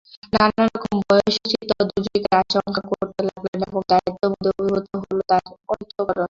নানারকম বয়সোচিত দুর্যোগের আশঙ্কা করতে লাগলেন, এবং দায়িত্ববোধে অভিভূত হল তাঁর অন্তঃকরণ।